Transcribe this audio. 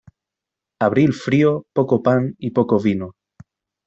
Abril frío, poco pan y poco vino.